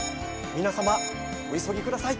皆様お急ぎください。